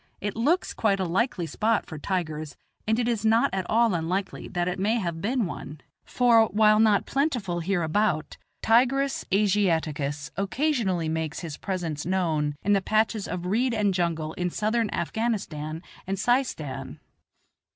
It looks quite a likely spot for tigers, and it is not at all unlikely that it may have been one, for, while not plentiful hereabout, Tigris Asiaticus occasionally makes his presence known in the patches of reed and jungle in Southern Afghanistan and Seistan.